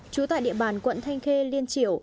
trú tại địa bàn quận thanh khê liên triệu